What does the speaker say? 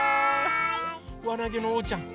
わなげのおうちゃん！